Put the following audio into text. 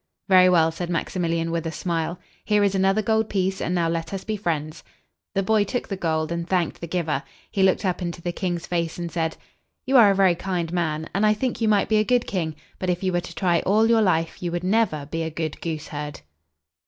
"Very well," said Maximilian, with a smile; "here is another gold piece, and now let us be friends." The boy took the gold, and thanked the giver. He looked up into the king's face and said, "You are a very kind man, and I think you might be a good king; but if you were to try all your life, you would never be a good gooseherd."